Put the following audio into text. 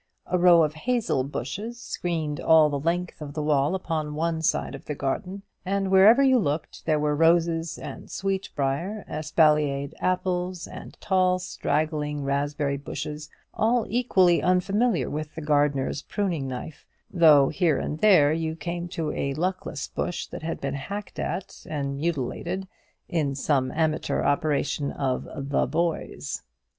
A row of hazel bushes screened all the length of the wall upon one side of the garden; and wherever you looked, there were roses and sweet brier, espaliered apples, and tall straggling raspberry bushes, all equally unfamiliar with the gardener's pruning knife; though here and there you came to a luckless bush that had been hacked at and mutilated in some amateur operations of "the boys."